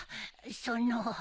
その。